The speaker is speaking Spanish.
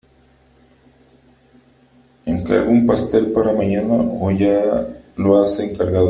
Encargo un pastel para mañana ¿o ya lo has encargado?